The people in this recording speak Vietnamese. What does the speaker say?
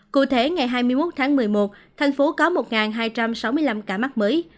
cụ thể ngày hai mươi một tháng một mươi một thành phố có một hai trăm sáu mươi năm ca mắc mới